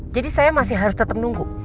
jadi saya masih harus tetap nunggu